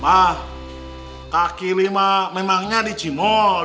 ah kaki lima memangnya di cimol